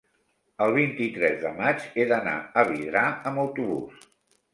el vint-i-tres de maig he d'anar a Vidrà amb autobús.